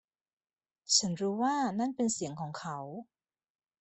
ฉันรู้ว่านั่นเป็นเสียงของเขา